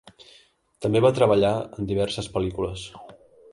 També va treballar en diverses pel·lícules.